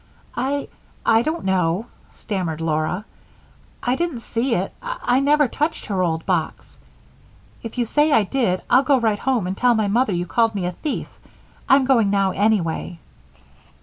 "I I don't know," stammered Laura. "I didn't see it I never touched her old box. If you say I did, I'll go right home and tell my mother you called me a thief. I'm going now, anyway."